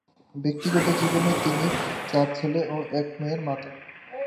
ব্যক্তিগত জীবনে তিনি চার ছেলে এবং এক মেয়ের মাতা।